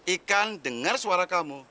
ikan dengar suara kamu